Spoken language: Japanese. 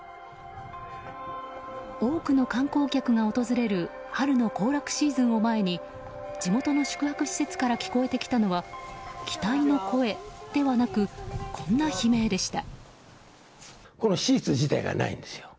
多くの観光客が訪れる春の行楽シーズンを前に地元の宿泊施設から聞こえてきたのは期待の声ではなくこんな悲鳴でした。